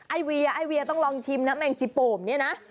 ไอเวียไอเวียต้องลองชิมนะแมงจิโป่งเนี่ยนะ